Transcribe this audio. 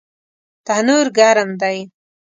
تنور ګرم دی